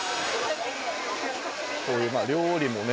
こういう料理もね